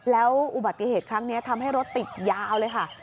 แล้วอุบัติเหตุครั้งนี้ทำให้รถติดยาวเลยค่ะ